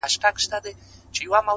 زه په دې افتادګۍ کي لوی ګَړنګ یم _